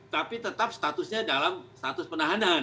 tapi tetap statusnya dalam status penahanan